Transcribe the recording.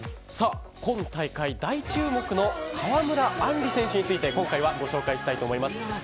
今大会大注目の川村あんり選手について今回はご紹介したいと思います。